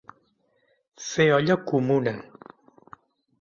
Fer olla comuna.